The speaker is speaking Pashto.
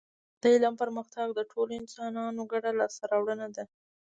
د علم پرمختګ د ټولو انسانانو ګډه لاسته راوړنه ده